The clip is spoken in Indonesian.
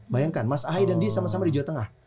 bayangkan mas ahaye dan dia sama sama di jawa tengah